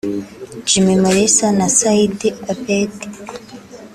Jimmy Mulisa na Saidi Abedi